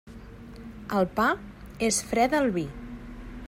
El pa és fre del vi.